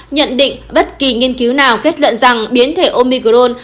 nhận định bất kỳ nghiên cứu nào kết luận rằng biến thể omicron